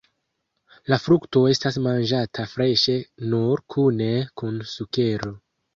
La frukto estas manĝata freŝe nur kune kun sukero.